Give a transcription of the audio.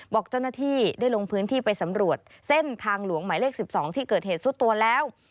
บอกเจ้าหน้าที่ได้ลงพื้นที่ไปสำรวจเส้นทางหลวงหมายเลข๑๒ที่เกิดเหตุสุดตัวแล้ว